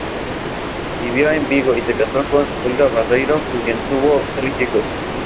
Vivió en Vigo y se casó con Olga Barreiro con quien tuvo tres hijos.